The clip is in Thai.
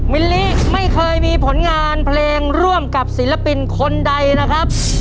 มิลลิไม่เคยมีผลงานเพลงร่วมกับศิลปินคนใดนะครับ